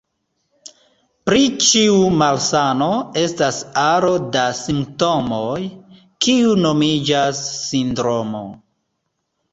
Pri ĉiu malsano estas aro da simptomoj, kiu nomiĝas sindromo.